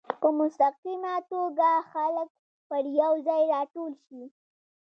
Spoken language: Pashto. په مستقیمه توګه خلک پر یو ځای راټول شي.